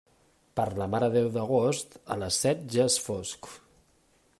Per la Mare de Déu d'agost, a les set ja és fosc.